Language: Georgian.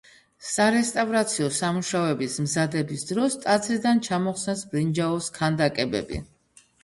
სარესტავრაციო სამუშაოების მზადების დროს ტაძრიდან ჩამოხსნეს ბრინჯაოს ქანდაკებები.